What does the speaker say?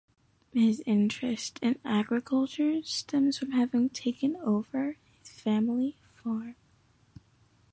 His interest in agriculture stems from having taken over his family farm.